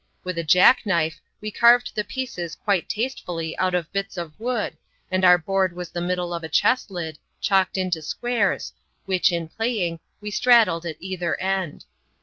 With a jackknife, we carved the pieces quite tastefully out o£ bits of wood, and our board was the middle of a chest lid, chalked into squares, which, in playing, we straddled at either end.